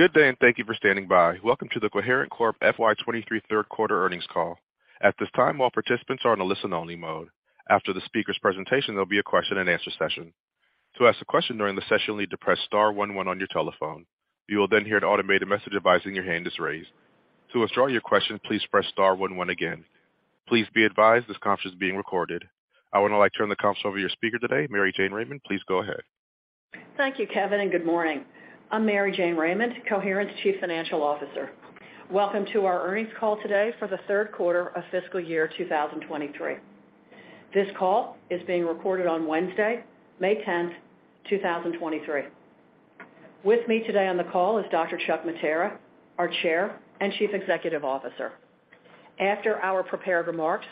Good day. Thank you for standing by. Welcome to the Coherent Corp FY 2023 third quarter earnings call. At this time, all participants are on a listen-only mode. After the speaker's presentation, there'll be a question-and-answer session. To ask a question during the session, you'll need to press star one one on your telephone. You will hear an automated message advising your hand is raised. To withdraw your question, please press star one one again. Please be advised this conference is being recorded. I would now like to turn the conference over to your speaker today, Mary Jane Raymond. Please go ahead. Thank you, Kevin. Good morning. I'm Mary Jane Raymond, Coherent's Chief Financial Officer. Welcome to our earnings call today for the third quarter of fiscal year 2023. This call is being recorded on Wednesday, May 10th, 2023. With me today on the call is Dr. Chuck Mattera, our Chair and Chief Executive Officer. After our prepared remarks,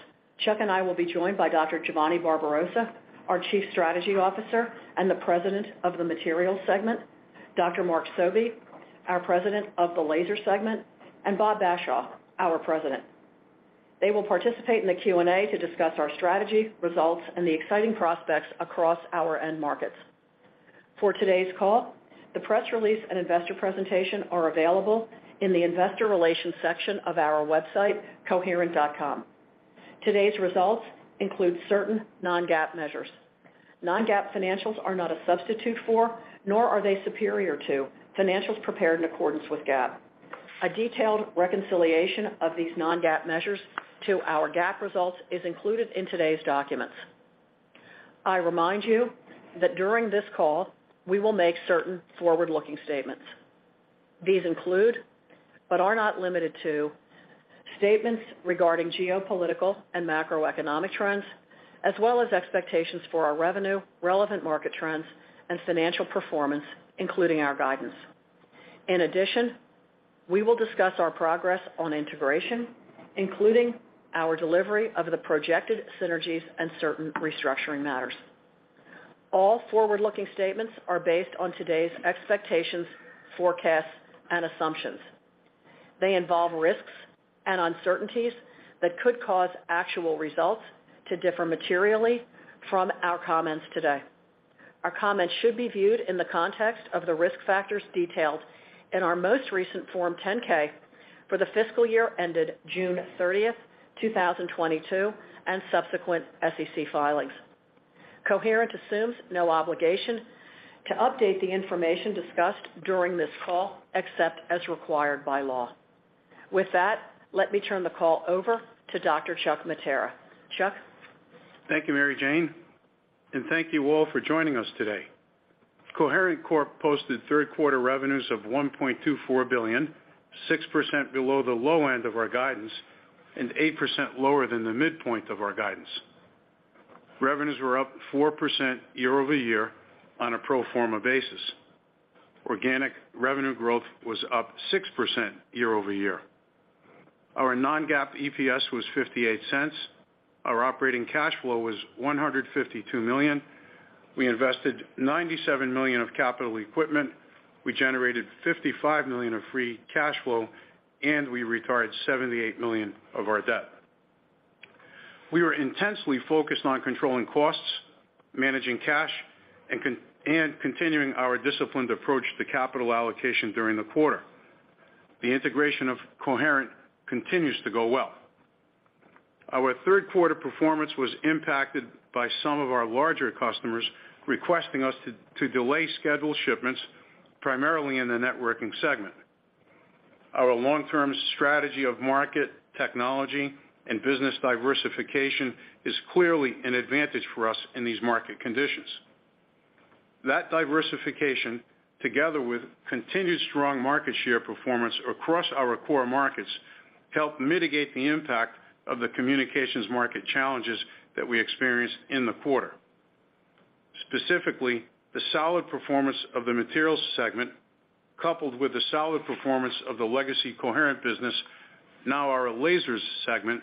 Chuck and I will be joined by Dr. Giovanni Barbarossa, our Chief Strategy Officer and the President of the Materials segment, Dr. Mark Sobey, our President of the Laser segment, and Bob Bashaw, our President. They will participate in the Q&A to discuss our strategy, results, and the exciting prospects across our end markets. For today's call, the press release and investor presentation are available in the investor relations section of our website, coherent.com. Today's results include certain non-GAAP measures. Non-GAAP financials are not a substitute for, nor are they superior to financials prepared in accordance with GAAP. A detailed reconciliation of these non-GAAP measures to our GAAP results is included in today's documents. I remind you that during this call, we will make certain forward-looking statements. These include, but are not limited to, statements regarding geopolitical and macroeconomic trends, as well as expectations for our revenue, relevant market trends, and financial performance, including our guidance. In addition, we will discuss our progress on integration, including our delivery of the projected synergies and certain restructuring matters. All forward-looking statements are based on today's expectations, forecasts, and assumptions. They involve risks and uncertainties that could cause actual results to differ materially from our comments today. Our comments should be viewed in the context of the risk factors detailed in our most recent Form 10-K for the fiscal year ended June 30th, 2022, and subsequent SEC filings. Coherent assumes no obligation to update the information discussed during this call, except as required by law. With that, let me turn the call over to Dr. Chuck Mattera. Chuck? Thank you, Mary Jane, and thank you all for joining us today. Coherent Corp posted third quarter revenues of $1.24 billion, 6% below the low end of our guidance and 8% lower than the midpoint of our guidance. Revenues were up 4% year-over-year on a pro forma basis. Organic revenue growth was up 6% year-over-year. Our non-GAAP EPS was $0.58. Our operating cash flow was $152 million. We invested $97 million of capital equipment. We generated $55 million of free cash flow, and we retired $78 million of our debt. We were intensely focused on controlling costs, managing cash, and continuing our disciplined approach to capital allocation during the quarter. The integration of Coherent continues to go well. Our third quarter performance was impacted by some of our larger customers requesting us to delay scheduled shipments, primarily in the networking segment. Our long-term strategy of market, technology, and business diversification is clearly an advantage for us in these market conditions. Diversification, together with continued strong market share performance across our core markets, helped mitigate the impact of the communications market challenges that we experienced in the quarter. Specifically, the solid performance of the materials segment, coupled with the solid performance of the legacy Coherent business, now our lasers segment,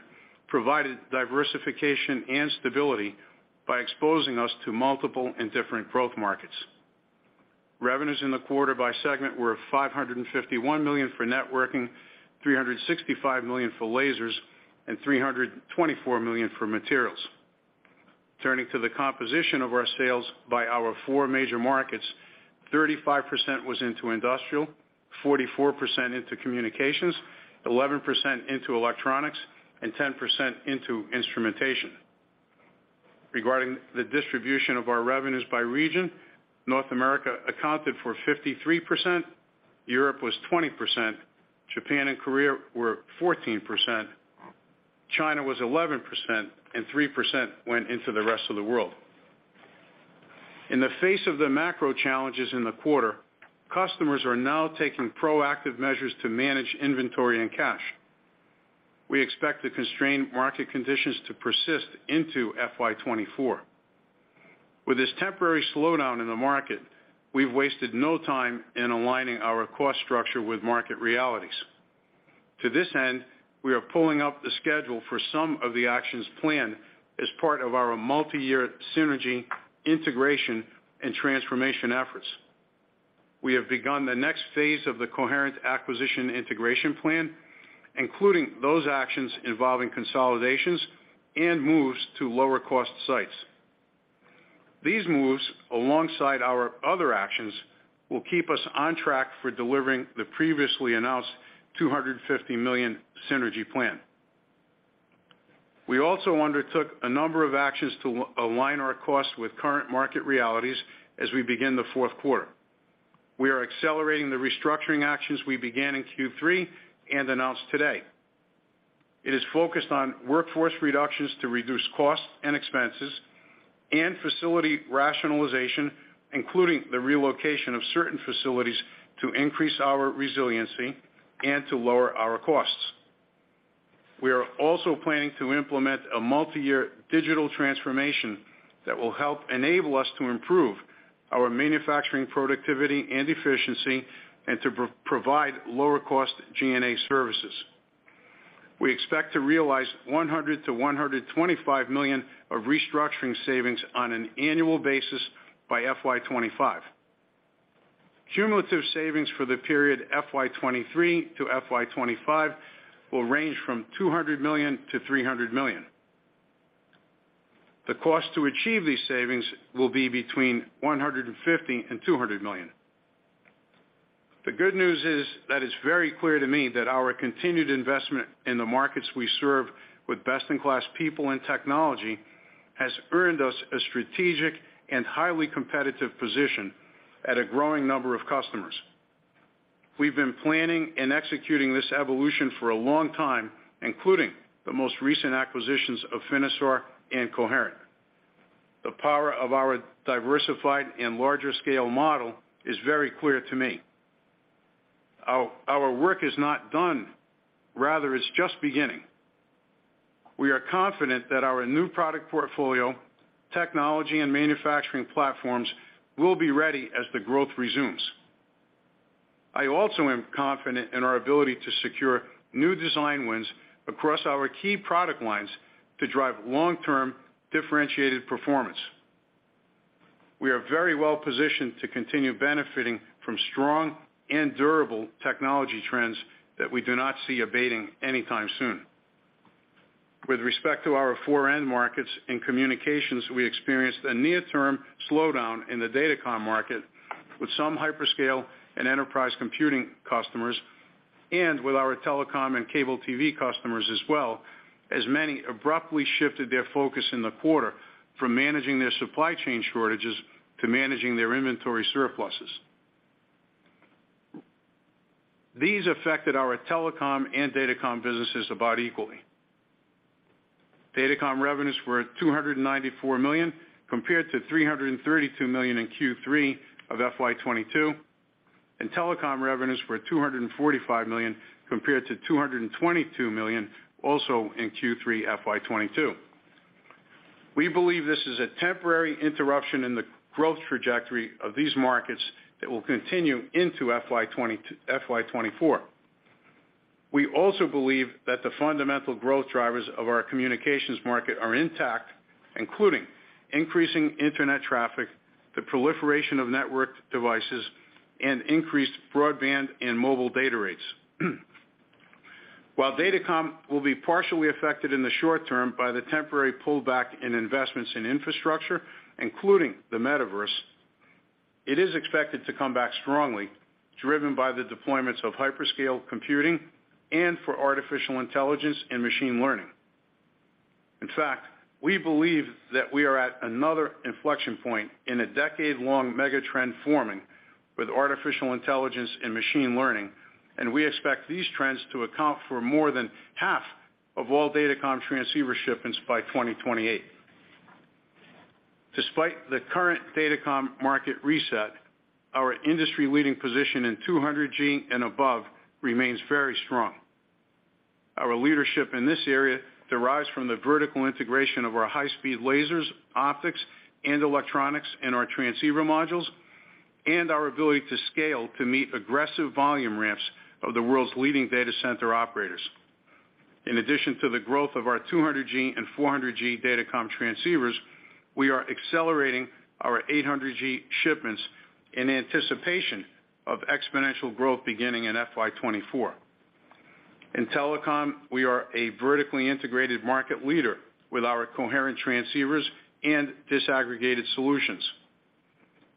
provided diversification and stability by exposing us to multiple and different growth markets. Revenues in the quarter by segment were $551 million for networking, $365 million for lasers, and $324 million for materials. Turning to the composition of our sales by our four major markets, 35% was into industrial, 44% into communications, 11% into electronics, and 10% into instrumentation. Regarding the distribution of our revenues by region, North America accounted for 53%, Europe was 20%, Japan and Korea were 14%, China was 11%, and 3% went into the rest of the world. In the face of the macro challenges in the quarter, customers are now taking proactive measures to manage inventory and cash. We expect the constrained market conditions to persist into FY 2024. With this temporary slowdown in the market, we've wasted no time in aligning our cost structure with market realities. To this end, we are pulling up the schedule for some of the actions planned as part of our multi-year synergy integration and transformation efforts. We have begun the next phase of the Coherent acquisition integration plan, including those actions involving consolidations and moves to lower-cost sites. These moves, alongside our other actions, will keep us on track for delivering the previously announced $250 million synergy plan. We also undertook a number of actions to align our costs with current market realities as we begin the fourth quarter. We are accelerating the restructuring actions we began in Q3 and announced today. It is focused on workforce reductions to reduce costs and expenses, and facility rationalization, including the relocation of certain facilities to increase our resiliency and to lower our costs. We are also planning to implement a multi-year digital transformation that will help enable us to improve our manufacturing productivity and efficiency and to provide lower cost G&A services. We expect to realize $100 million-$125 million of restructuring savings on an annual basis by FY 2025. Cumulative savings for the period FY 2023 to FY 2025 will range from $200 million-$300 million. The cost to achieve these savings will be between $150 million and $200 million. The good news is that it's very clear to me that our continued investment in the markets we serve with best-in-class people and technology has earned us a strategic and highly competitive position at a growing number of customers. We've been planning and executing this evolution for a long time, including the most recent acquisitions of Finisar and Coherent. The power of our diversified and larger scale model is very clear to me. Our work is not done. Rather, it's just beginning. We are confident that our new product portfolio, technology, and manufacturing platforms will be ready as the growth resumes. I also am confident in our ability to secure new design wins across our key product lines to drive long-term differentiated performance. We are very well-positioned to continue benefiting from strong and durable technology trends that we do not see abating anytime soon. With respect to our four end markets, in communications, we experienced a near-term slowdown in the Datacom market with some hyperscale and enterprise computing customers, and with our Telecom and cable TV customers as well, as many abruptly shifted their focus in the quarter from managing their supply chain shortages to managing their inventory surpluses. These affected our Telecom and Datacom businesses about equally. Datacom revenues were $294 million, compared to $332 million in Q3 of FY 2022, and Telecom revenues were $245 million, compared to $222 million, also in Q3 FY 2022. We believe this is a temporary interruption in the growth trajectory of these markets that will continue into FY 2024. We also believe that the fundamental growth drivers of our communications market are intact, including increasing internet traffic, the proliferation of network devices, and increased broadband and mobile data rates. While Datacom will be partially affected in the short term by the temporary pullback in investments in infrastructure, including the metaverse, it is expected to come back strongly, driven by the deployments of hyperscale computing and for artificial intelligence and machine learning. In fact, we believe that we are at another inflection point in a decade-long mega trend forming with artificial intelligence and machine learning, and we expect these trends to account for more than half of all Datacom transceiver shipments by 2028. Despite the current Datacom market reset, our industry-leading position in 200G and above remains very strong. Our leadership in this area derives from the vertical integration of our high-speed lasers, optics, and electronics in our transceiver modules, and our ability to scale to meet aggressive volume ramps of the world's leading data center operators. In addition to the growth of our 200G and 400G Datacom transceivers, we are accelerating our 800G shipments in anticipation of exponential growth beginning in FY 2024. In Telecom, we are a vertically integrated market leader with our coherent transceivers and disaggregated solutions.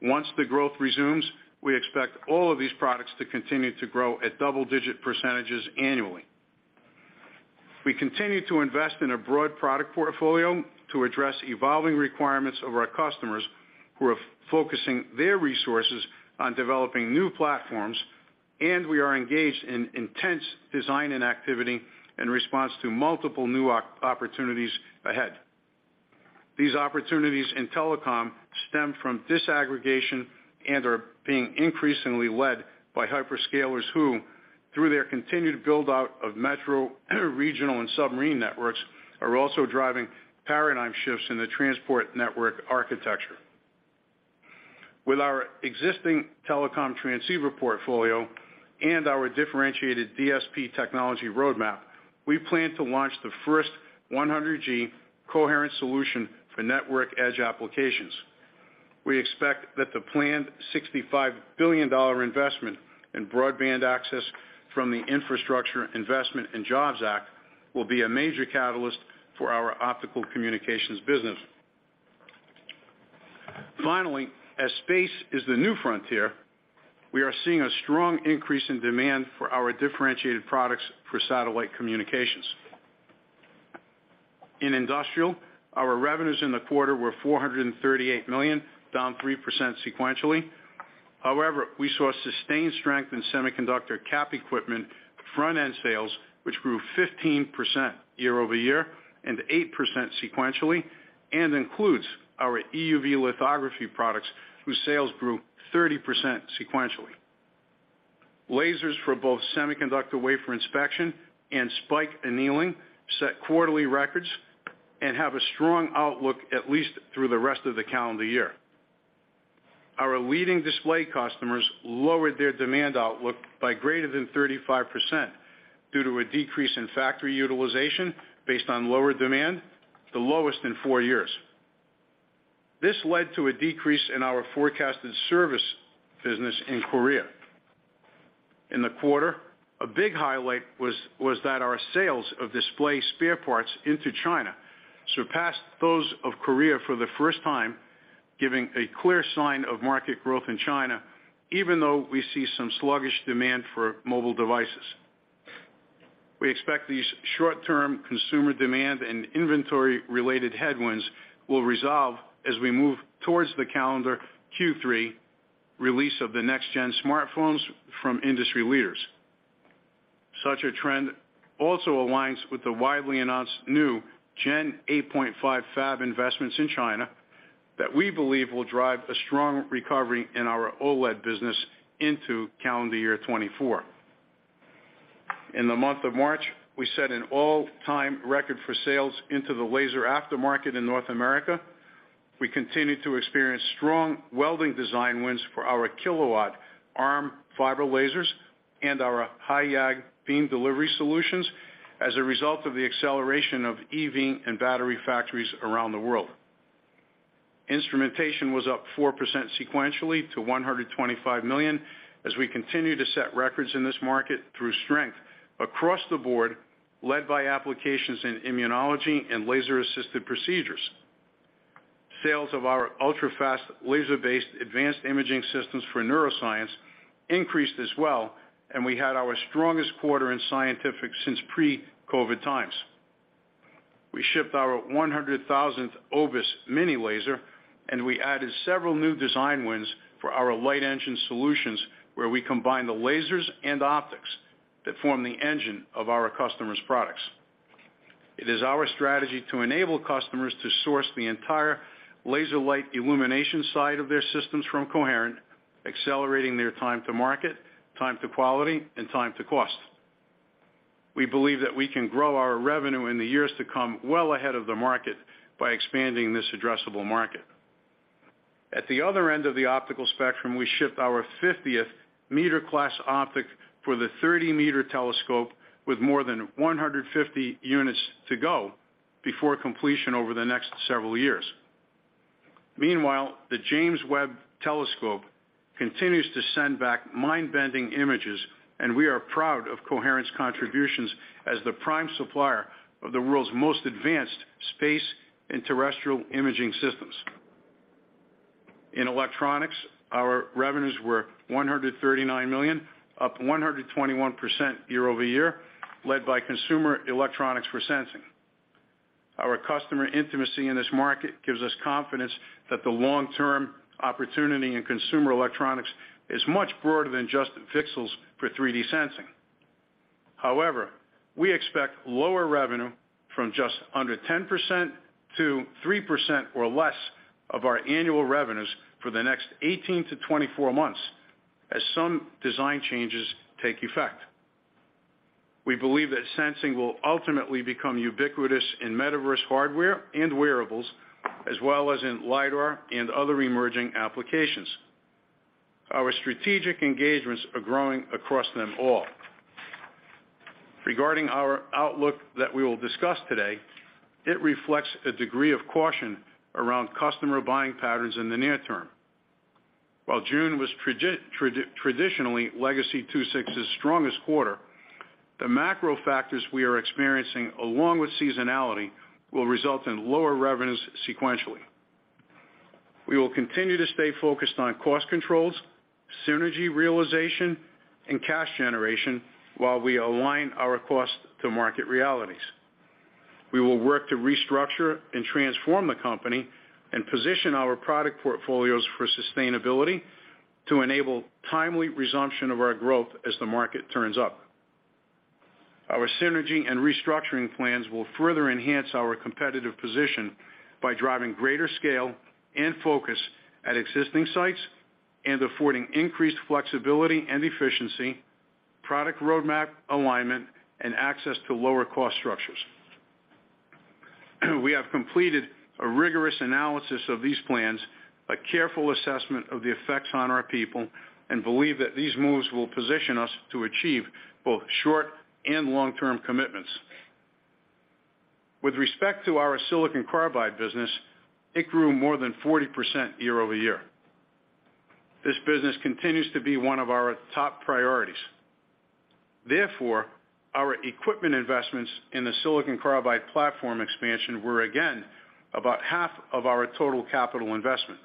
Once the growth resumes, we expect all of these products to continue to grow at double-digit percentages annually. We continue to invest in a broad product portfolio to address evolving requirements of our customers who are focusing their resources on developing new platforms, and we are engaged in intense design and activity in response to multiple new opportunities ahead. These opportunities in Telecom stem from disaggregation and are being increasingly led by hyperscalers who, through their continued build-out of metro, regional, and submarine networks, are also driving paradigm shifts in the transport network architecture. With our existing Telecom transceiver portfolio and our differentiated DSP technology roadmap, we plan to launch the first 100G Coherent solution for network edge applications. We expect that the planned $65 billion investment in broadband access from the Infrastructure Investment and Jobs Act will be a major catalyst for our optical communications business. Finally, as space is the new frontier, we are seeing a strong increase in demand for our differentiated products for satellite communications. In industrial, our revenues in the quarter were $438 million, down 3% sequentially. However, we saw sustained strength in semiconductor CapEx equipment, front-end sales, which grew 15% year-over-year and 8% sequentially, and includes our EUV lithography products, whose sales grew 30% sequentially. Lasers for both semiconductor wafer inspection and spike annealing set quarterly records and have a strong outlook at least through the rest of the calendar year. Our leading display customers lowered their demand outlook by greater than 35% due to a decrease in factory utilization based on lower demand, the lowest in four years. This led to a decrease in our forecasted service business in Korea. In the quarter, a big highlight was that our sales of display spare parts into China surpassed those of Korea for the first time, giving a clear sign of market growth in China, even though we see some sluggish demand for mobile devices. We expect these short-term consumer demand and inventory related headwinds will resolve as we move towards the calendar Q3 release of the next gen smartphones from industry leaders. Such a trend also aligns with the widely announced new Gen 8.5 fab investments in China that we believe will drive a strong recovery in our OLED business into calendar year 2024. In the month of March, we set an all-time record for sales into the laser aftermarket in North America. We continue to experience strong welding design wins for our kilowatt ARM fiber lasers and our high YAG beam delivery solutions as a result of the acceleration of EV and battery factories around the world. Instrumentation was up 4% sequentially to $125 million as we continue to set records in this market through strength across the board, led by applications in immunology and laser-assisted procedures. Sales of our ultrafast laser-based advanced imaging systems for neuroscience increased as well, we had our strongest quarter in scientific since pre-COVID times. We shipped our 100,000th OBIS mini laser, we added several new design wins for our light engine solutions, where we combine the lasers and optics that form the engine of our customers' products. It is our strategy to enable customers to source the entire laser light illumination side of their systems from Coherent, accelerating their time to market, time to quality, and time to cost. We believe that we can grow our revenue in the years to come well ahead of the market by expanding this addressable market. At the other end of the optical spectrum, we shipped our 50th meter class optic for the Thirty Meter Telescope with more than 150 units to go before completion over the next several years. Meanwhile, the James Webb Space Telescope continues to send back mind-bending images, and we are proud of Coherent's contributions as the prime supplier of the world's most advanced space and terrestrial imaging systems. In electronics, our revenues were $139 million, up 121% year-over-year, led by consumer electronics for sensing. Our customer intimacy in this market gives us confidence that the long-term opportunity in consumer electronics is much broader than just pixels for 3D sensing. However, we expect lower revenue from just under 10% to 3% or less of our annual revenues for the next 18-24 months as some design changes take effect. We believe that sensing will ultimately become ubiquitous in metaverse hardware and wearables, as well as in LiDAR and other emerging applications. Our strategic engagements are growing across them all. Regarding our outlook that we will discuss today, it reflects a degree of caution around customer buying patterns in the near term. While June was traditionally Legacy II-VI's strongest quarter, the macro factors we are experiencing along with seasonality will result in lower revenues sequentially. We will continue to stay focused on cost controls, synergy realization, and cash generation while we align our cost to market realities. We will work to restructure and transform the company and position our product portfolios for sustainability to enable timely resumption of our growth as the market turns up. Our synergy and restructuring plans will further enhance our competitive position by driving greater scale and focus at existing sites and affording increased flexibility and efficiency, product roadmap alignment, and access to lower cost structures. We have completed a rigorous analysis of these plans, a careful assessment of the effects on our people, and believe that these moves will position us to achieve both short and long-term commitments. With respect to our silicon carbide business, it grew more than 40% year-over-year. This business continues to be one of our top priorities. Therefore, our equipment investments in the silicon carbide platform expansion were again about half of our total capital investment.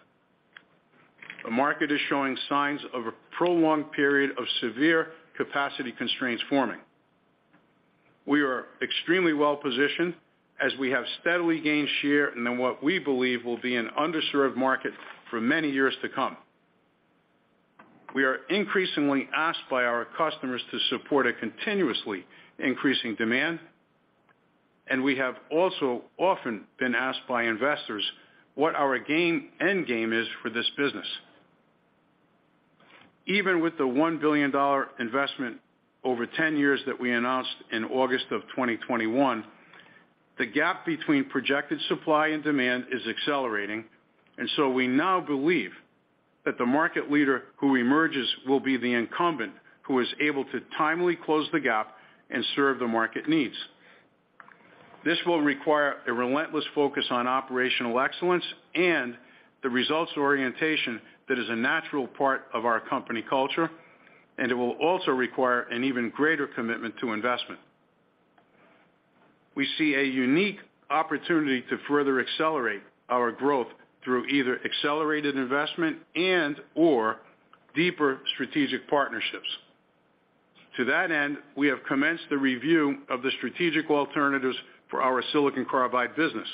The market is showing signs of a prolonged period of severe capacity constraints forming. We are extremely well-positioned as we have steadily gained share in what we believe will be an underserved market for many years to come. We are increasingly asked by our customers to support a continuously increasing demand, and we have also often been asked by investors what our gain end game is for this business. Even with the $1 billion investment over 10 years that we announced in August 2021, the gap between projected supply and demand is accelerating. We now believe that the market leader who emerges will be the incumbent who is able to timely close the gap and serve the market needs. This will require a relentless focus on operational excellence and the results orientation that is a natural part of our company culture, and it will also require an even greater commitment to investment. We see a unique opportunity to further accelerate our growth through either accelerated investment and or deeper strategic partnerships. To that end, we have commenced the review of the strategic alternatives for our silicon carbide business.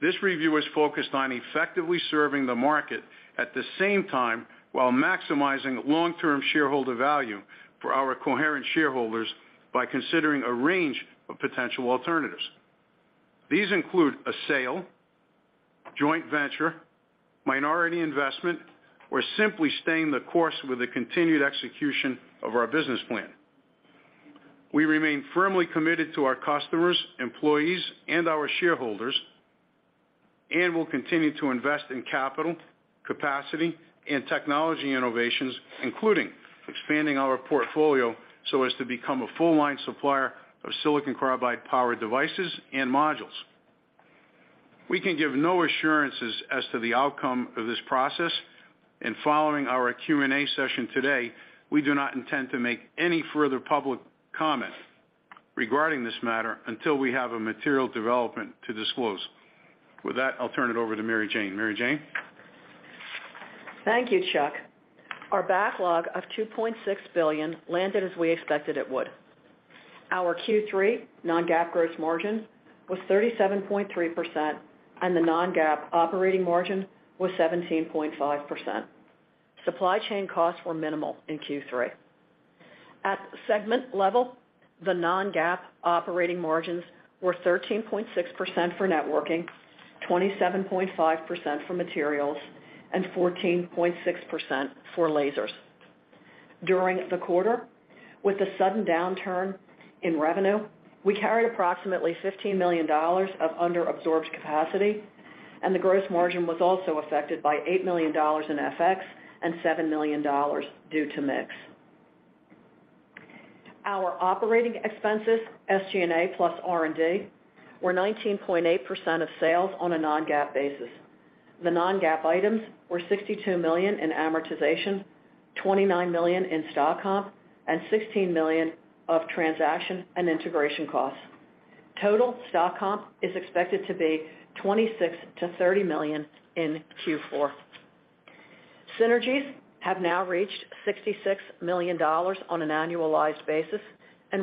This review is focused on effectively serving the market at the same time while maximizing long-term shareholder value for our Coherent shareholders by considering a range of potential alternatives. These include a sale, joint venture, minority investment, or simply staying the course with the continued execution of our business plan. We remain firmly committed to our customers, employees, and our shareholders, will continue to invest in capital, capacity and technology innovations, including expanding our portfolio so as to become a full line supplier of silicon carbide powered devices and modules. We can give no assurances as to the outcome of this process, following our Q&A session today, we do not intend to make any further public comment regarding this matter until we have a material development to disclose. With that, I'll turn it over to Mary Jane. Mary Jane? Thank you, Chuck. Our backlog of $2.6 billion landed as we expected it would. Our Q3 non-GAAP gross margin was 37.3%, and the non-GAAP operating margin was 17.5%. Supply chain costs were minimal in Q3. At segment level, the non-GAAP operating margins were 13.6% for networking, 27.5% for materials, and 14.6% for lasers. During the quarter, with the sudden downturn in revenue, we carried approximately $15 million of under-absorbed capacity, and the gross margin was also affected by $8 million in FX and $7 million due to mix. Our operating expenses, SG&A plus R&D, were 19.8% of sales on a non-GAAP basis. The non-GAAP items were $62 million in amortization, $29 million in stock comp, and $16 million of transaction and integration costs. Total stock comp is expected to be $26 million-$30 million in Q4. Synergies have now reached $66 million on an annualized basis.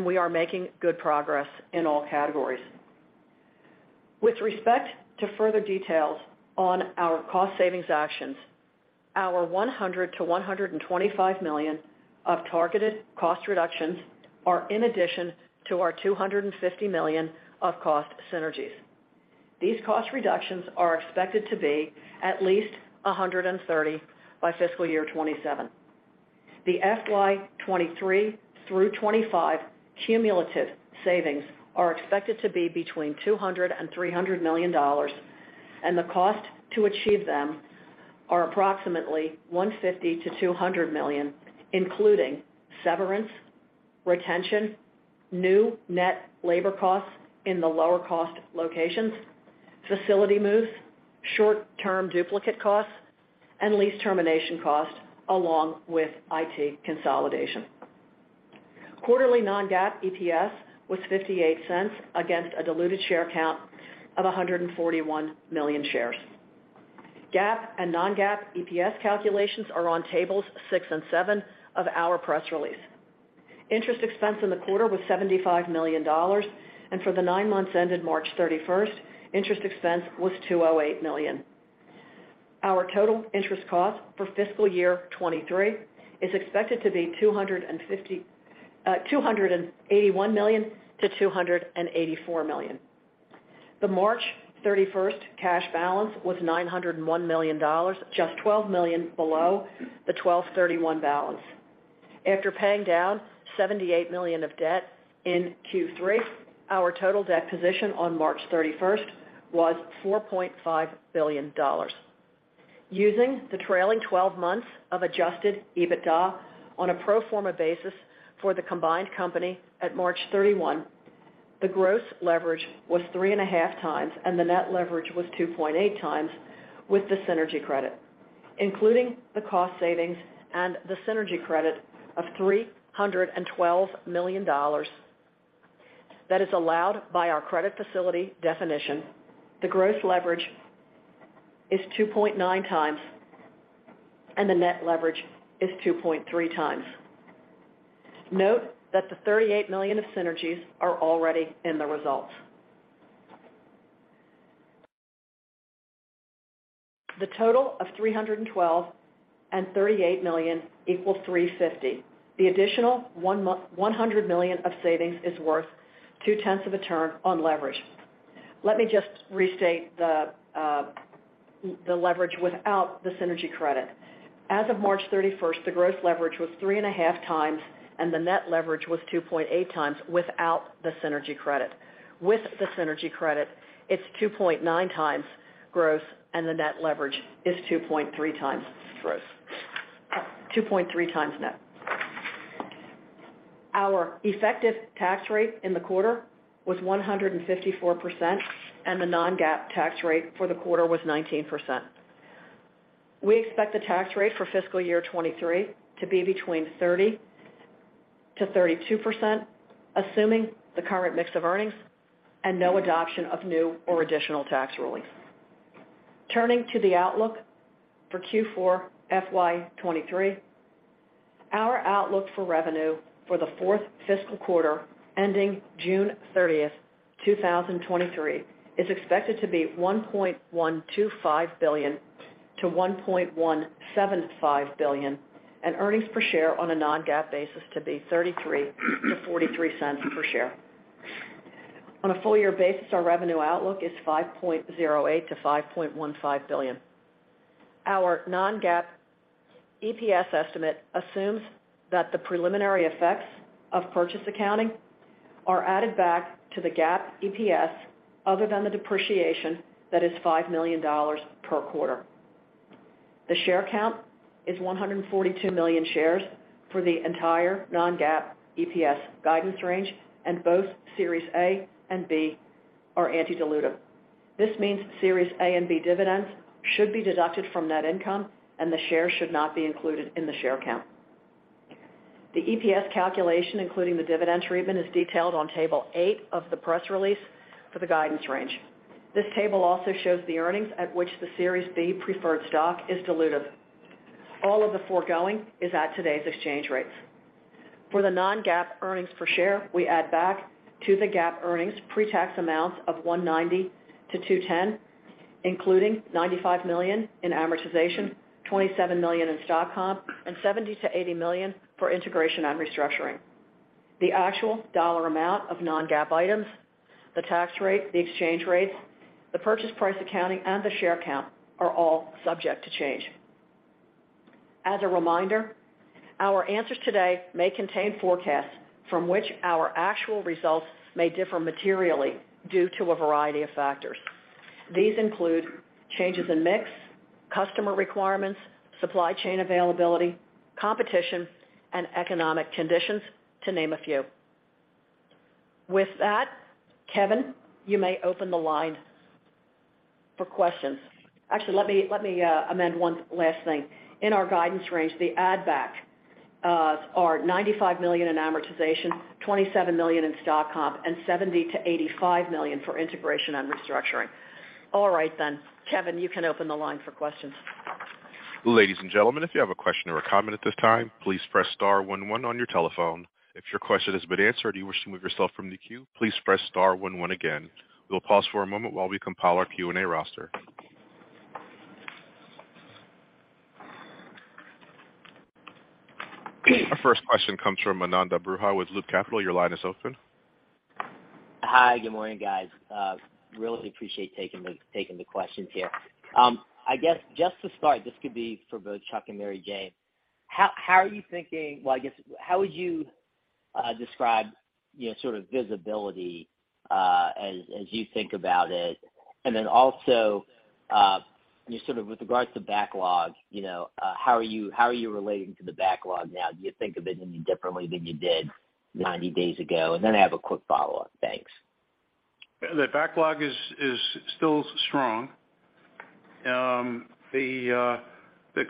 We are making good progress in all categories. With respect to further details on our cost savings actions, our $100 million-$125 million of targeted cost reductions are in addition to our $250 million of cost synergies. These cost reductions are expected to be at least $130 million by fiscal year 2027. The FY 2023 through 2025 cumulative savings are expected to be between $200 million and $300 million. The cost to achieve them are approximately $150 million-$200 million, including severance, retention, new net labor costs in the lower cost locations, facility moves, short-term duplicate costs, and lease termination costs, along with IT consolidation. Quarterly non-GAAP EPS was $0.58 against a diluted share count of 141 million shares. GAAP and non-GAAP EPS calculations are on tables 6 and 7 of our press release. Interest expense in the quarter was $75 million, and for the nine months ended March 31st, interest expense was $208 million. Our total interest cost for fiscal year 2023 is expected to be $281 million-$284 million. The March 31st cash balance was $901 million, just $12 million below the 12/31 balance. After paying down $78 million of debt in Q3, our total debt position on March 31st was $4.5 billion. Using the trailing 12 months of Adjusted EBITDA on a pro forma basis for the combined company at March 31. The gross leverage was 3.5x, and the net leverage was 2.8x with the synergy credit. Including the cost savings and the synergy credit of $312 million that is allowed by our credit facility definition, the gross leverage is 2.9x and the net leverage is 2.3x. Note that the $38 million of synergies are already in the results. The total of $312 million and $38 million equals $350 million. The additional $100 million of savings is worth 0.2 of a turn on leverage. Let me just restate the leverage without the synergy credit. As of March 31st, the gross leverage was 3.5x, and the net leverage was 2.8x without the synergy credit. With the synergy credit, it's 2.9x gross, and the net leverage is 2.x net. Our effective tax rate in the quarter was 154, and the non-GAAP tax rate for the quarter was 19%. We expect the tax rate for fiscal year 2023 to be between 30%-32%, assuming the current mix of earnings and no adoption of new or additional tax rulings. Turning to the outlook for Q4 FY 2023. Our outlook for revenue for the fourth fiscal quarter ending June 30, 2023, is expected to be $1.125 billion-$1.175 billion, and earnings per share on a non-GAAP basis to be $0.33-$0.43 per share. On a full year basis, our revenue outlook is $5.08 billion-$5.15 billion. Our non-GAAP EPS estimate assumes that the preliminary effects of purchase accounting are added back to the GAAP EPS other than the depreciation that is $5 million per quarter. The share count is 142 million shares for the entire non-GAAP EPS guidance range, and both Series A and B are anti-dilutive. This means Series A and B dividends should be deducted from net income, and the shares should not be included in the share count. The EPS calculation, including the dividend treatment, is detailed on table 8 of the press release for the guidance range. This table also shows the earnings at which the Series B preferred stock is dilutive. All of the foregoing is at today's exchange rates. For the non-GAAP earnings per share, we add back to the GAAP earnings pre-tax amounts of $190-$210, including $95 million in amortization, $27 million in stock comp, and $70 million-$80 million for integration and restructuring. The actual dollar amount of non-GAAP items, the tax rate, the exchange rate, the purchase price accounting, and the share count are all subject to change. As a reminder, our answers today may contain forecasts from which our actual results may differ materially due to a variety of factors. These include changes in mix, customer requirements, supply chain availability, competition, and economic conditions, to name a few. With that, Kevin, you may open the line for questions. Actually, let me amend one last thing. In our guidance range, the add back are $95 million in amortization, $27 million in stock comp, and $70 million-$85 million for integration and restructuring. All right then. Kevin, you can open the line for questions. Ladies and gentlemen, if you have a question or a comment at this time, please press star one one on your telephone. If your question has been answered or you wish to remove yourself from the queue, please press star one one again. We'll pause for a moment while we compile our Q&A roster. Our first question comes from Ananda Baruah with Loop Capital. Your line is open. Hi. Good morning, guys. really appreciate taking the questions here. I guess just to start, this could be for both Chuck and Mary Jane. Well, I guess how would you describe, you know, sort of visibility as you think about it? Also, just sort of with regards to backlog, you know, how are you relating to the backlog now? Do you think of it any differently than you did 90 days ago? I have a quick follow-up. Thanks. The backlog is still strong. The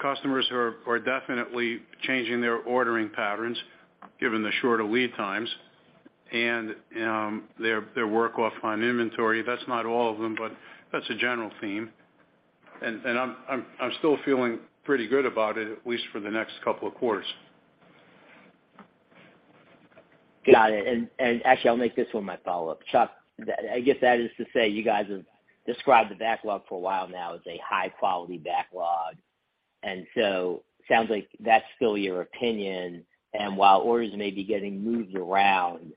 customers are definitely changing their ordering patterns, given the shorter lead times and their work offline inventory. That's not all of them, but that's a general theme. I'm still feeling pretty good about it, at least for the next couple of quarters. Actually, I'll make this one my follow-up. Chuck, I guess that is to say you guys have described the backlog for a while now as a high-quality backlog, and so sounds like that's still your opinion. While orders may be getting moved around,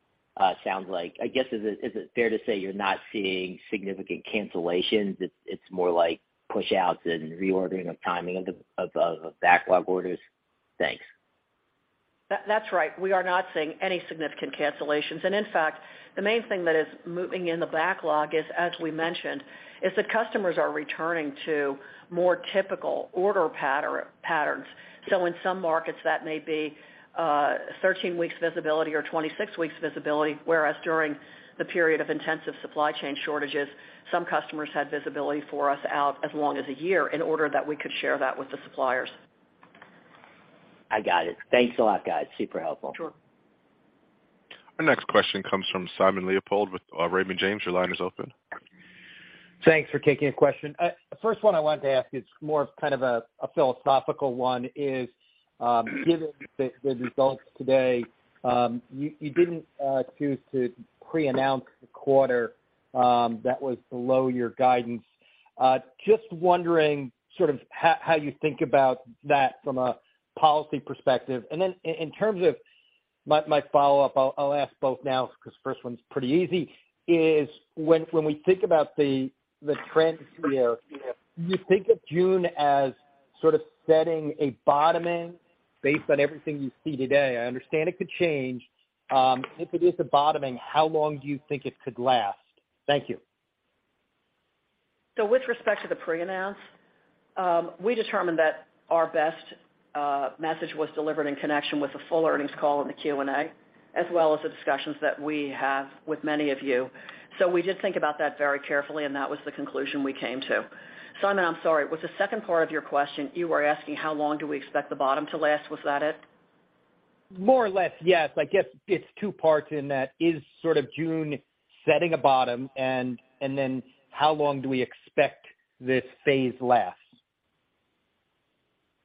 sounds like, I guess, is it fair to say you're not seeing significant cancellations? It's more like push outs and reordering of timing of the backlog orders? Thanks. That's right. We are not seeing any significant cancellations. In fact, the main thing that is moving in the backlog is, as we mentioned, is that customers are returning to more typical order patterns. In some markets, that may be 13 weeks visibility or 26 weeks visibility, whereas during the period of intensive supply chain shortages, some customers had visibility for us out as long as a year in order that we could share that with the suppliers. I got it. Thanks a lot, guys. Super helpful. Sure. Our next question comes from Simon Leopold with Raymond James. Your line is open. Thanks for taking a question. First one I wanted to ask is more of kind of a philosophical one, is given the results today, you didn't choose to pre-announce the quarter that was below your guidance. Just wondering sort of how you think about that from a policy perspective. In terms of my follow-up, I'll ask both now because first one's pretty easy, is when we think about the trends here, you think of June as sort of setting a bottoming based on everything you see today. I understand it could change. If it is a bottoming, how long do you think it could last? Thank you. With respect to the pre-announce, we determined that our best message was delivered in connection with a full earnings call in the Q&A, as well as the discussions that we have with many of you. We did think about that very carefully, and that was the conclusion we came to. Simon, I'm sorry. Was the second part of your question, you were asking how long do we expect the bottom to last? Was that it? More or less, yes. I guess it's two parts in that is sort of June setting a bottom and then how long do we expect this phase lasts?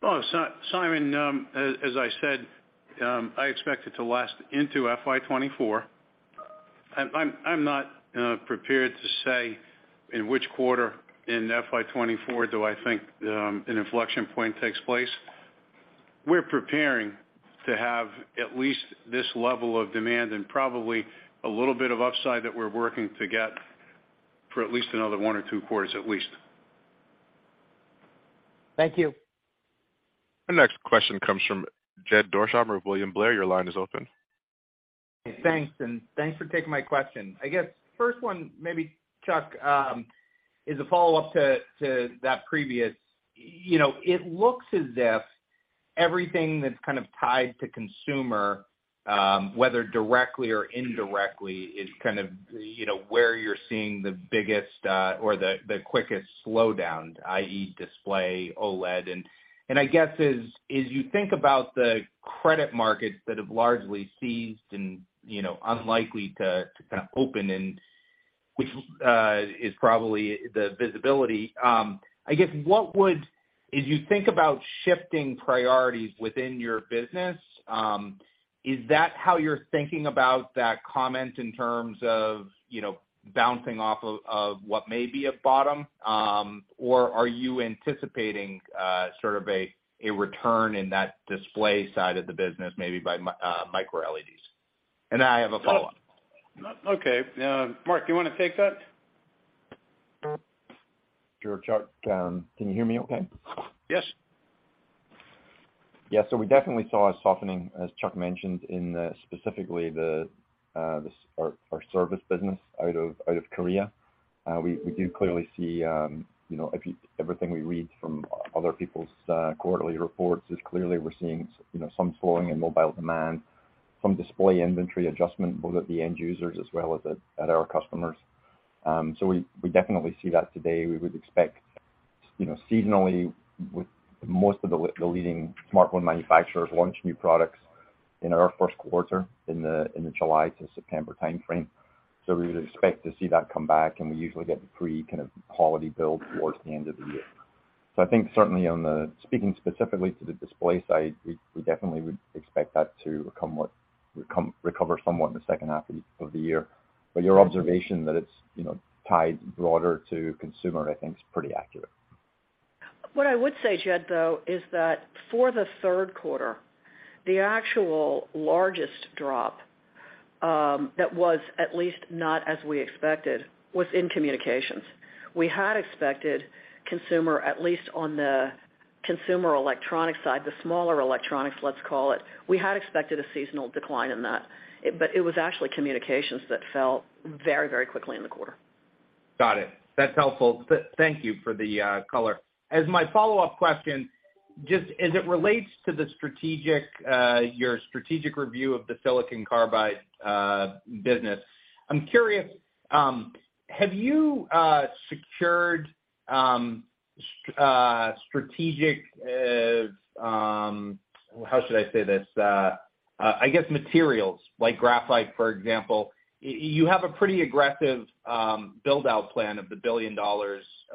Well, Simon, as I said, I expect it to last into FY 2024. I'm not prepared to say in which quarter in FY 2024 do I think an inflection point takes place. We're preparing to have at least this level of demand and probably a little bit of upside that we're working to get for at least another one or two quarters at least. Thank you. Our next question comes from Jed Dorsheimer of William Blair. Your line is open. Thanks, thanks for taking my question. I guess first one maybe, Chuck, is a follow-up to that previous. You know, it looks as if everything that's kind of tied to consumer, whether directly or indirectly, is kind of, you know, where you're seeing the biggest or the quickest slowdown, i.e. display OLED. I guess as you think about the credit markets that have largely seized and, you know, unlikely to kind of open and which is probably the visibility, I guess what would... If you think about shifting priorities within your business, is that how you're thinking about that comment in terms of, you know, bouncing off of what may be a bottom, or are you anticipating, sort of a return in that display side of the business maybe by microLEDs? I have a follow-up. Okay. Mark, do you wanna take that? Sure, Chuck. Can you hear me okay? Yes. Yeah. We definitely saw a softening, as Chuck mentioned, in specifically the our service business out of Korea. We, we do clearly see, you know, everything we read from other people's quarterly reports is clearly we're seeing you know, some slowing in mobile demand from display inventory adjustment, both at the end users as well as at our customers. We, we definitely see that today. We would expect, you know, seasonally with most of the leading smartphone manufacturers launch new products in our first quarter in the, in the July to September timeframe. We would expect to see that come back, and we usually get the pre kind of holiday build towards the end of the year. I think certainly on the speaking specifically to the display side, we definitely would expect that to recover somewhat in the second half of the year. Your observation that it's, you know, tied broader to consumer, I think is pretty accurate. What I would say, Jed, though, is that for the third quarter, the actual largest drop that was at least not as we expected, was in communications. We had expected consumer, at least on the consumer electronic side, the smaller electronics, let's call it, we had expected a seasonal decline in that. It was actually communications that fell very quickly in the quarter. Got it. That's helpful. Thank you for the color. As my follow-up question, just as it relates to the strategic, your strategic review of the silicon carbide business, I'm curious, have you secured strategic, how should I say this? I guess materials like graphite, for example. You have a pretty aggressive build-out plan of the $1 billion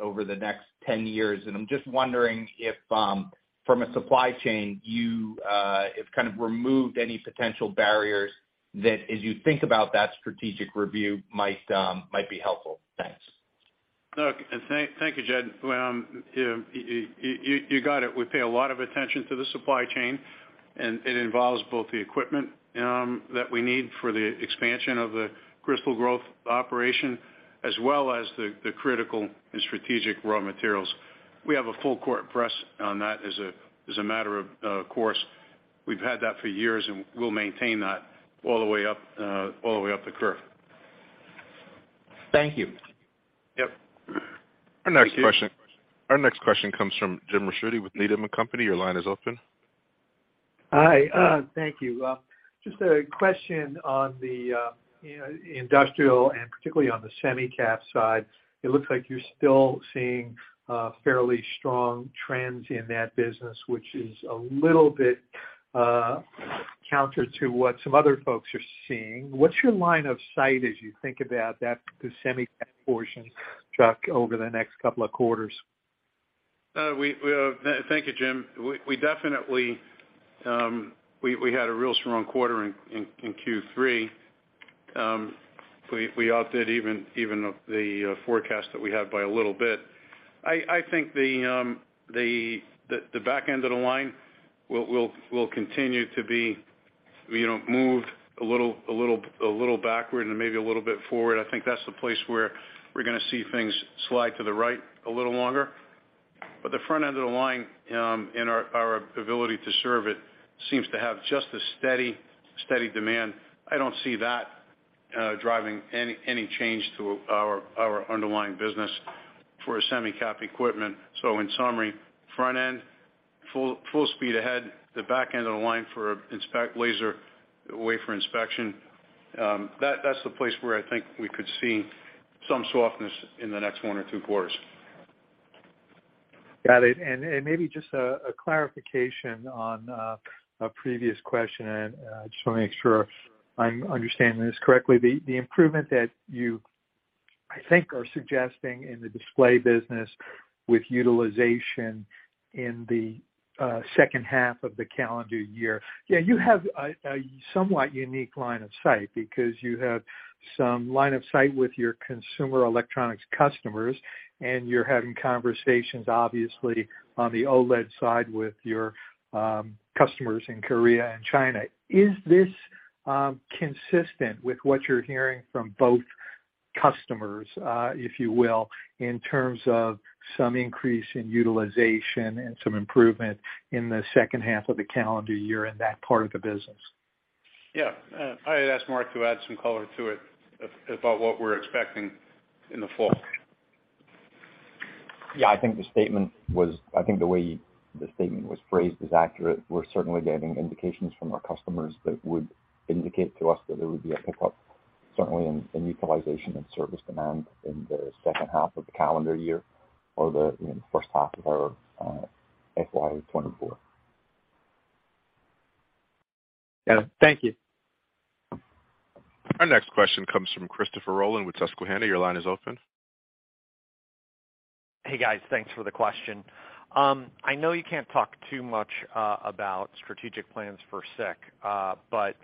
over the next 10 years, and I'm just wondering if from a supply chain, you have kind of removed any potential barriers that as you think about that strategic review might be helpful. Thanks. Look, thank you, Jed. Well, you got it. We pay a lot of attention to the supply chain, and it involves both the equipment that we need for the expansion of the crystal growth operation, as well as the critical and strategic raw materials. We have a full court press on that as a matter of course. We've had that for years, and we'll maintain that all the way up the curve. Thank you. Yep. Our next question comes from Jim Ricchiuti with Needham & Company. Your line is open. Hi. Thank you. Just a question on the, you know, industrial and particularly on the semi-cap side. It looks like you're still seeing fairly strong trends in that business, which is a little bit counter to what some other folks are seeing. What's your line of sight as you think about that, the semi-cap portion, Chuck, over the next couple of quarters? Thank you, Jim. We definitely had a real strong quarter in Q3. We outdid even the forecast that we had by a little bit. I think the back end of the line will continue to be, you know, moved a little backward and maybe a little bit forward. I think that's the place where we're gonna see things slide to the right a little longer. The front end of the line, and our ability to serve it seems to have just a steady demand. I don't see that driving any change to our underlying business for semi-cap equipment. In summary, front end, full speed ahead. The back end of the line for laser wafer inspection, that's the place where I think we could see some softness in the next one or two quarters. Got it. Maybe just a clarification on a previous question, just wanna make sure I'm understanding this correctly. The improvement that you, I think, are suggesting in the display business with utilization in the second half of the calendar year. Yeah, you have a somewhat unique line of sight because you have some line of sight with your consumer electronics customers, and you're having conversations obviously on the OLED side with your customers in Korea and China. Is this consistent with what you're hearing from both customers, if you will, in terms of some increase in utilization and some improvement in the second half of the calendar year in that part of the business? Yeah. I asked Mark to add some color to it about what we're expecting in the fall. Yeah. I think the way the statement was phrased is accurate. We're certainly getting indications from our customers that would indicate to us that there would be a pickup certainly in utilization and service demand in the second half of the calendar year or the, you know, first half of our FY 2024. Yeah. Thank you. Our next question comes from Christopher Rolland with Susquehanna. Your line is open. Hey, guys. Thanks for the question. I know you can't talk too much about strategic plans for SiC, but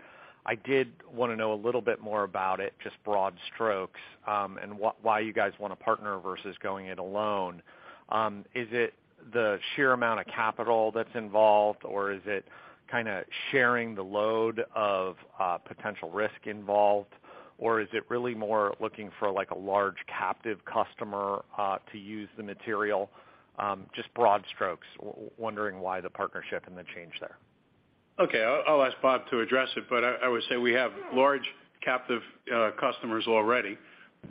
I did wanna know a little bit more about it, just broad strokes, and why you guys want to partner versus going it alone. Is it the sheer amount of capital that's involved, or is it kinda sharing the load of potential risk involved, or is it really more looking for, like, a large captive customer to use the material? Just broad strokes. Wondering why the partnership and the change there. Okay. I'll ask Bob to address it, but I would say we have large captive customers already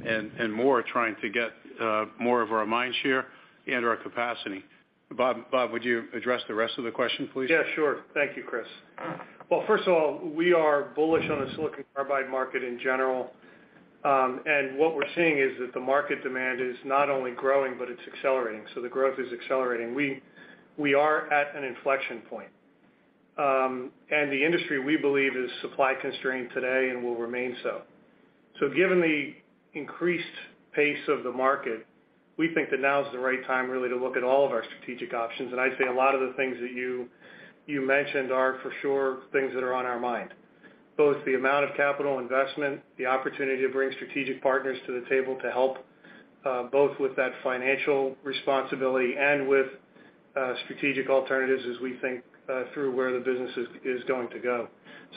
and more trying to get more of our mindshare and our capacity. Bob, would you address the rest of the question, please? Yeah, sure. Thank you, Chris. Well, first of all, we are bullish on the silicon carbide market in general. What we're seeing is that the market demand is not only growing, but it's accelerating. The growth is accelerating. We are at an inflection point. The industry, we believe, is supply constrained today and will remain so. Given the increased pace of the market, we think that now is the right time really to look at all of our strategic options. I'd say a lot of the things that you mentioned are for sure things that are on our mind. Both the amount of capital investment, the opportunity to bring strategic partners to the table to help both with that financial responsibility and with strategic alternatives as we think through where the business is going to go.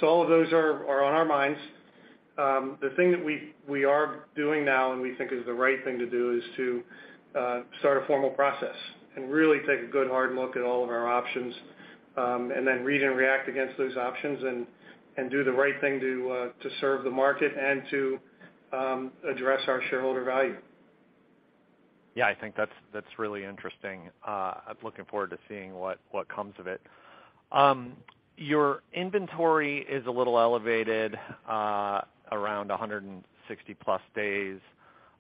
All of those are on our minds. The thing that we are doing now and we think is the right thing to do is to start a formal process and really take a good hard look at all of our options, and then read and react against those options and do the right thing to serve the market and to address our shareholder value. Yeah, I think that's really interesting. I'm looking forward to seeing what comes of it. Your inventory is a little elevated, around 160+ days.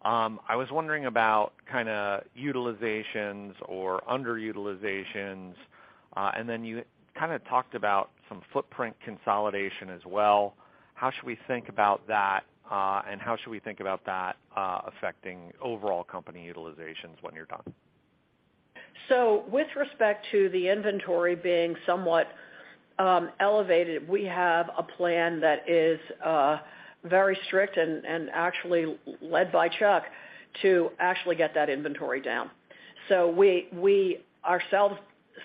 I was wondering about kinda utilizations or underutilizations, and then you kinda talked about some footprint consolidation as well. How should we think about that, and how should we think about that, affecting overall company utilizations when you're done? With respect to the inventory being somewhat elevated, we have a plan that is very strict and actually led by Chuck to actually get that inventory down. We ourselves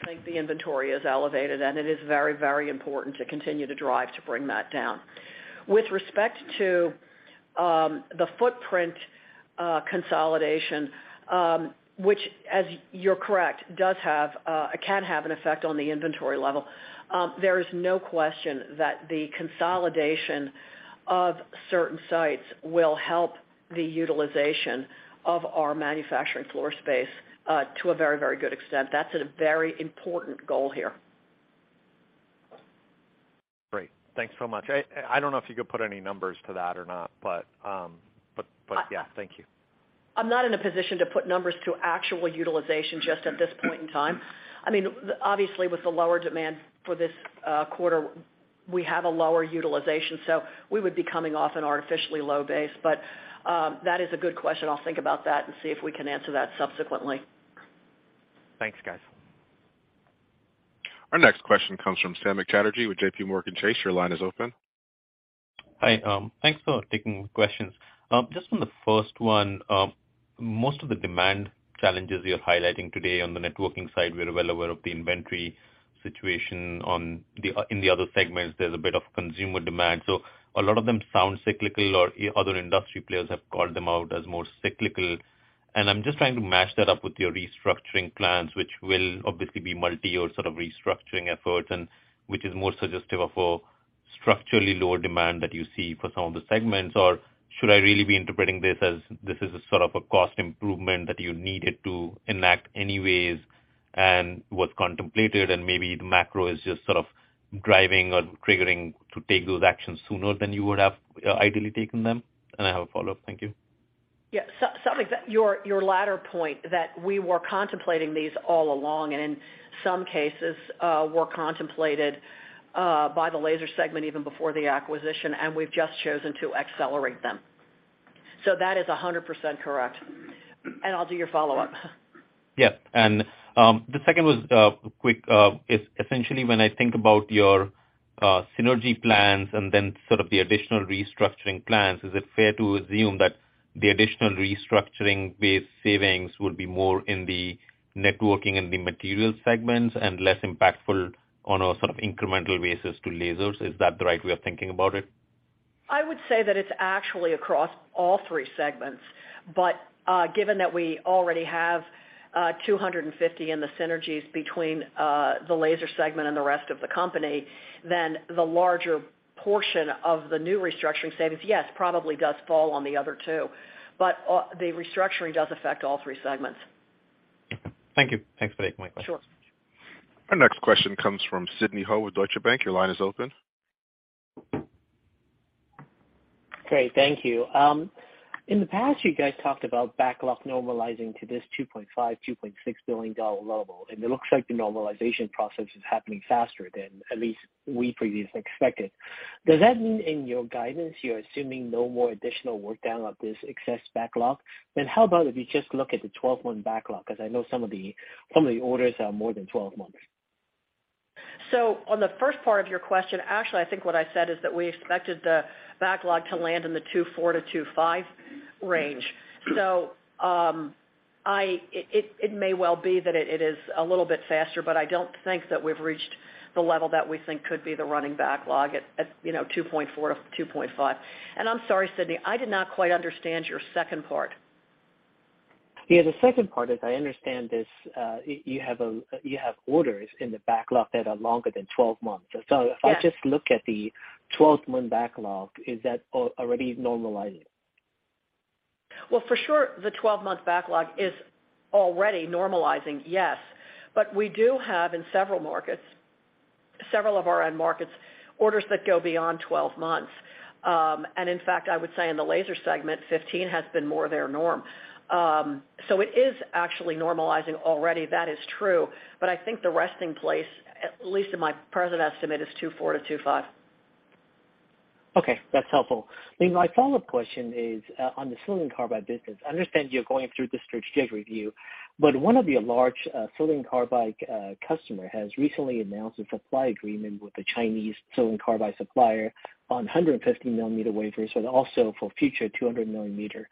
I think the inventory is elevated, and it is very, very important to continue to drive to bring that down. With respect to the footprint consolidation, which as you're correct, does have, can have an effect on the inventory level. There is no question that the consolidation of certain sites will help the utilization of our manufacturing floor space, to a very, very good extent. That's a very important goal here. Great. Thanks so much. I don't know if you could put any numbers to that or not, but yeah, thank you. I'm not in a position to put numbers to actual utilization just at this point in time. I mean, obviously, with the lower demand for this quarter, we have a lower utilization, so we would be coming off an artificially low base. That is a good question. I'll think about that and see if we can answer that subsequently. Thanks, guys. Our next question comes from Samik Chatterjee with J.P. Morgan. Your line is open. Hi. Thanks for taking questions. Just on the first one, most of the demand challenges you're highlighting today on the networking side, we're well aware of the inventory situation on the, in the other segments, there's a bit of consumer demand. A lot of them sound cyclical or other industry players have called them out as more cyclical. I'm just trying to match that up with your restructuring plans, which will obviously be multi-year sort of restructuring efforts and which is more suggestive of a structurally lower demand that you see for some of the segments. Should I really be interpreting this as this is a sort of a cost improvement that you needed to enact anyways and was contemplated and maybe the macro is just sort of driving or triggering to take those actions sooner than you would have ideally taken them? I have a follow-up. Thank you. Yeah. Your latter point that we were contemplating these all along, and in some cases, were contemplated by the laser segment even before the acquisition, and we've just chosen to accelerate them. That is 100% correct. I'll do your follow-up. Yeah. The second was quick. Essentially, when I think about your synergy plans and then sort of the additional restructuring plans, is it fair to assume that the additional restructuring-based savings will be more in the networking and the materials segments and less impactful on a sort of incremental basis to lasers? Is that the right way of thinking about it? I would say that it's actually across all three segments. Given that we already have $250 in the synergies between the laser segment and the rest of the company, the larger portion of the new restructuring savings, yes, probably does fall on the other two. The restructuring does affect all three segments. Thank you. Thanks for taking my question. Sure. Our next question comes from Sidney Ho with Deutsche Bank. Your line is open. Great. Thank you. In the past, you guys talked about backlog normalizing to this $2.5 billion-$2.6 billion level, and it looks like the normalization process is happening faster than at least we previously expected. Does that mean in your guidance, you're assuming no more additional work down of this excess backlog? How about if you just look at the 12-month backlog, because I know some of the orders are more than 12 months. On the first part of your question, actually, I think what I said is that we expected the backlog to land in the $2.4 billion-$2.5 billion range. It may well be that it is a little bit faster, but I don't think that we've reached the level that we think could be the running backlog at, you know, $2.4 billion-$2.5 billion. I'm sorry, Sidney, I did not quite understand your second part. Yeah, the second part, as I understand this, you have orders in the backlog that are longer than 12 months. Yes. If I just look at the 12-month backlog, is that already normalizing? Well, for sure, the 12-month backlog is already normalizing, yes. We do have in several markets, several of our end markets, orders that go beyond 12 months. In fact, I would say in the Laser Segment, 15 has been more their norm. It is actually normalizing already. That is true. I think the resting place, at least in my present estimate, is $2.4-$2.5. Okay, that's helpful. My follow-up question is on the silicon carbide business. I understand you're going through the strategic review, one of your large silicon carbide customer has recently announced a supply agreement with the Chinese silicon carbide supplier on 150 millimeter wafers and also for future 200 millimeter.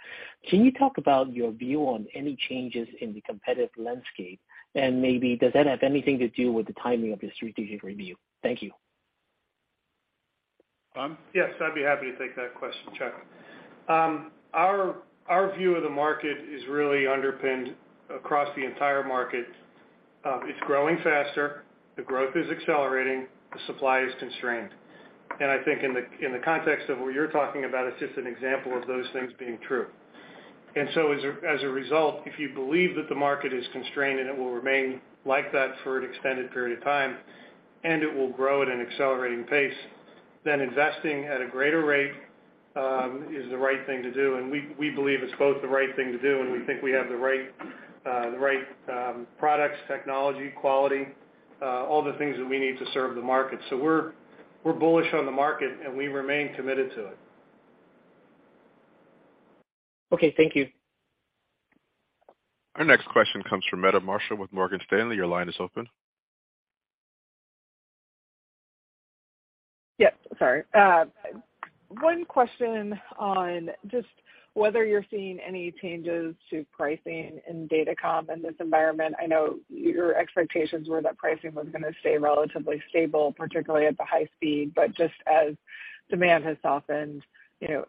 Can you talk about your view on any changes in the competitive landscape? Maybe does that have anything to do with the timing of the strategic review? Thank you. Tom? Yes, I'd be happy to take that question, Chuck. Our view of the market is really underpinned across the entire market. It's growing faster, the growth is accelerating, the supply is constrained. I think in the, in the context of what you're talking about, it's just an example of those things being true. As a, as a result, if you believe that the market is constrained and it will remain like that for an extended period of time, and it will grow at an accelerating pace, then investing at a greater rate, is the right thing to do. We believe it's both the right thing to do, and we think we have the right, the right products, technology, quality, all the things that we need to serve the market. We're bullish on the market, and we remain committed to it. Okay, thank you. Our next question comes from Meta Marshall with Morgan Stanley. Your line is open. Yep, sorry. One question on just whether you're seeing any changes to pricing in Datacom in this environment. I know your expectations were that pricing was gonna stay relatively stable, particularly at the high speed, but just as demand has softened, you know,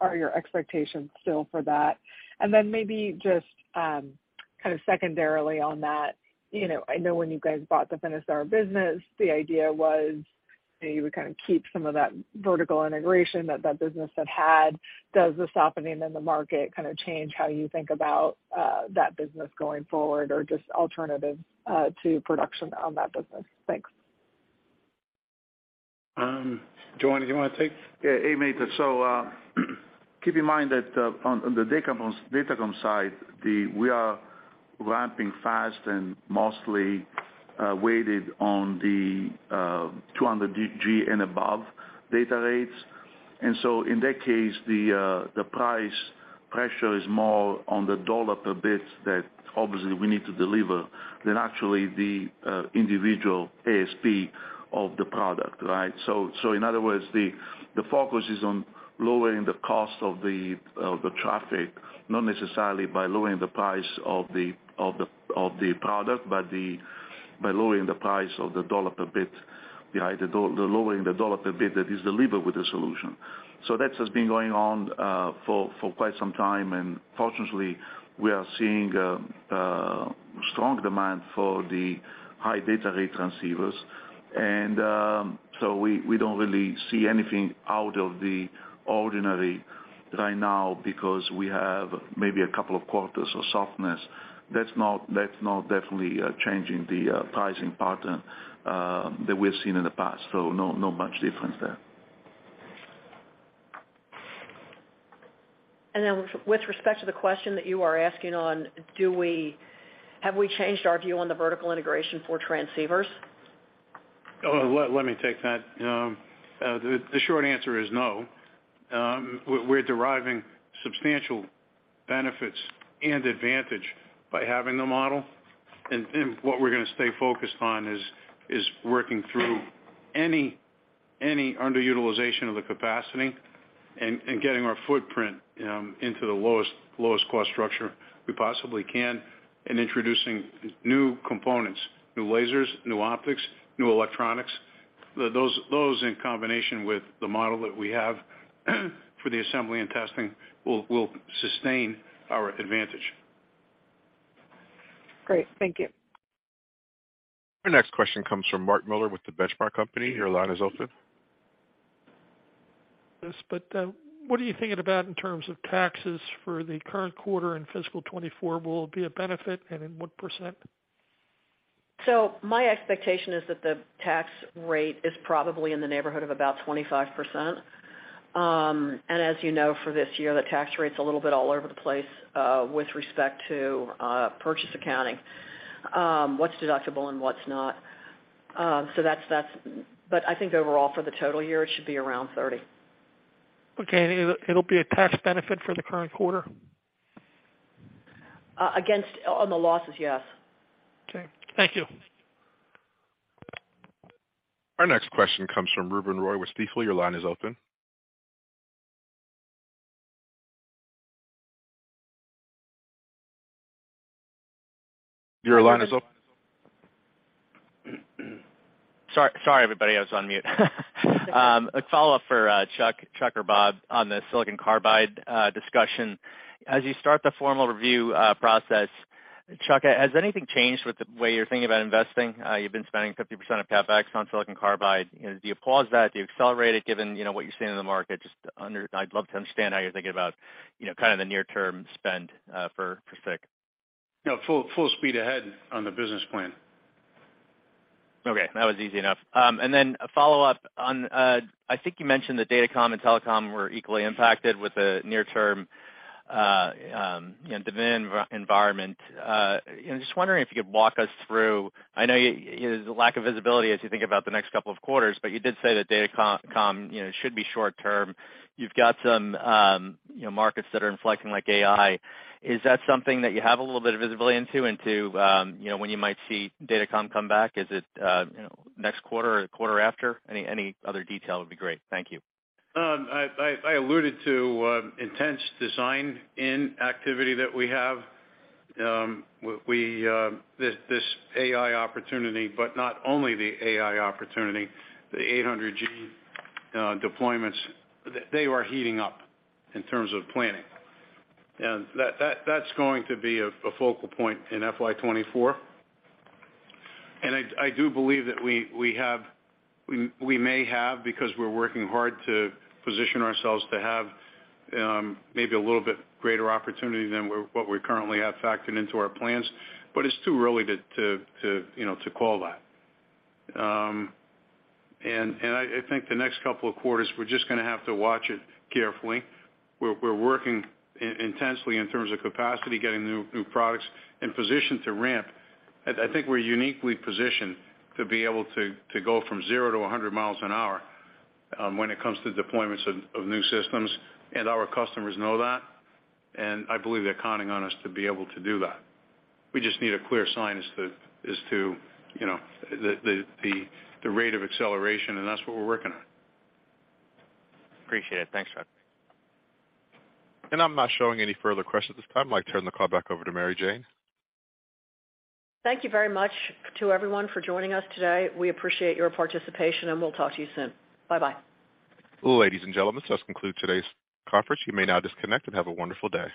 are your expectations still for that? Maybe just, kind of secondarily on that, you know, I know when you guys bought the Finisar business, the idea was that you would kind of keep some of that vertical integration that that business had had. Does the softening in the market kind of change how you think about that business going forward or just alternatives to production on that business? Thanks. Giovanni, do you wanna take... Hey, Meta. Keep in mind that on the Datacom side, we are ramping fast and mostly weighted on the 200G and above data rates. In that case, the price pressure is more on the dollar per bit that obviously we need to deliver than actually the individual ASP of the product, right? In other words, the focus is on lowering the cost of the traffic, not necessarily by lowering the price of the product, but by lowering the price of the dollar per bit, right? Lowering the dollar per bit that is delivered with the solution. That's just been going on for quite some time. Fortunately, we are seeing strong demand for the high data rate transceivers. We don't really see anything out of the ordinary right now because we have maybe a couple of quarters of softness. That's not definitely changing the pricing pattern that we've seen in the past. No much difference there. With respect to the question that you are asking on, have we changed our view on the vertical integration for transceivers? Let me take that. The short answer is no. We're deriving substantial benefits and advantage by having the model. What we're gonna stay focused on is working through any underutilization of the capacity and getting our footprint into the lowest cost structure we possibly can and introducing new components, new lasers, new optics, new electronics. Those in combination with the model that we have for the assembly and testing will sustain our advantage. Great. Thank you. Our next question comes from Mark Miller with The Benchmark Company. Your line is open. Yes. What are you thinking about in terms of taxes for the current quarter and fiscal 2024 will be a benefit, and in what percent? My expectation is that the tax rate is probably in the neighborhood of about 25%. As you know, for this year, the tax rate's a little bit all over the place, with respect to, purchase accounting, what's deductible and what's not. I think overall for the total year, it should be around 30%. Okay. it'll be a tax benefit for the current quarter? On the losses, yes. Okay. Thank you. Our next question comes from Ruben Roy with Stifel. Your line is open. Sorry, everybody, I was on mute. A follow-up for Chuck or Bob on the silicon carbide discussion. As you start the formal review process, Chuck, has anything changed with the way you're thinking about investing? You've been spending 50% of CapEx on silicon carbide. You know, do you applause that? Do you accelerate it given, you know, what you're seeing in the market? Just I'd love to understand how you're thinking about, you know, kind of the near-term spend for SiC. No. Full speed ahead on the business plan. Okay. That was easy enough. A follow-up on, I think you mentioned that Datacom and Telecom were equally impacted with the near-term, you know, demand environment. You know, just wondering if you could walk us through. I know you know, the lack of visibility as you think about the next couple of quarters, but you did say that Datacom, you know, should be short term. You've got some, you know, markets that are inflecting like AI. Is that something that you have a little bit of visibility into, you know, when you might see Datacom come back? Is it, you know, next quarter or the quarter after? Any other detail would be great. Thank you. I alluded to intense design in activity that we have. We, this AI opportunity, but not only the AI opportunity, the 800G deployments, they are heating up in terms of planning. That's going to be a focal point in FY24. I do believe that we may have, because we're working hard to position ourselves to have, maybe a little bit greater opportunity than what we currently have factored into our plans. But it's too early to, you know, to call that. I think the next couple of quarters, we're just gonna have to watch it carefully. We're working intensely in terms of capacity, getting new products in position to ramp. I think we're uniquely positioned to be able to go from zero to 100 miles an hour when it comes to deployments of new systems. Our customers know that, I believe they're counting on us to be able to do that. We just need a clear sign as to, you know, the rate of acceleration, that's what we're working on. Appreciate it. Thanks, Chuck. I'm not showing any further questions at this time. I'd like to turn the call back over to Mary Jane. Thank you very much to everyone for joining us today. We appreciate your participation, and we'll talk to you soon. Bye-bye. Ladies and gentlemen, this does conclude today's conference. You may now disconnect and have a wonderful day.